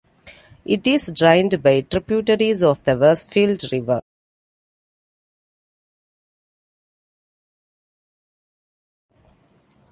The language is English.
It is drained by tributaries of the Westfield River.